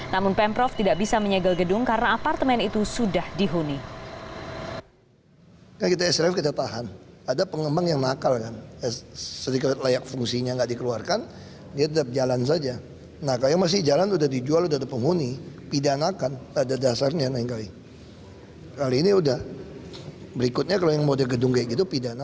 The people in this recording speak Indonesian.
namun pemprov tidak bisa menyegel gedung karena apartemen itu sudah dihuni